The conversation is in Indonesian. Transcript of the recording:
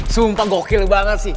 sumpah gokil banget sih